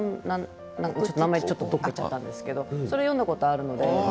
名前がどこかにいっちゃったんですけどそれを読んだことがあるんです。